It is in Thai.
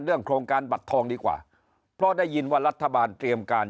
โครงการบัตรทองดีกว่าเพราะได้ยินว่ารัฐบาลเตรียมการ